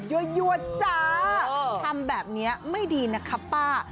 เยอะทำแบบนี้ไม่ดีนะครับป้า